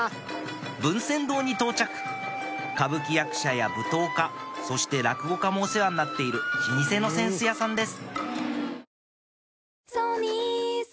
文扇堂に到着歌舞伎役者や舞踏家そして落語家もお世話になっている老舗の扇子屋さんです